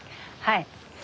はい。